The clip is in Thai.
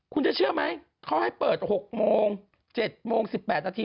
คุณจะเชื่อไหมเขาให้เปิด๖โมง๗โมง๑๘นาที